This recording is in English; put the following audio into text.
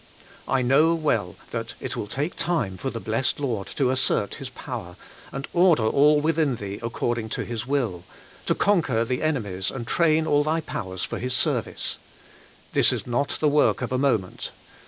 I know well that it will take time for the blessed Lord to assert His power, and order all within thee according to His will — to conquer the enemies and train all thy powers for His service. This is not the work of a moment.